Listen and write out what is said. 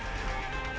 saya sudah melihat